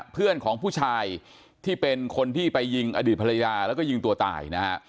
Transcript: เพื่อนของผู้ชายที่เป็นคนที่ไปยิงอดีตภรรยาแล้วก็ยิงตัวตายนะฮะ